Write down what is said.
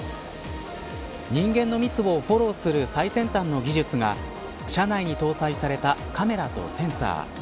人間のミスをフォローする最先端の技術が車内に搭載されたカメラとセンサー。